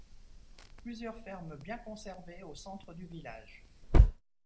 Plusieurs fermes bien conservées au centre du village.